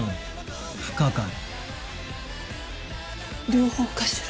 両方かしら。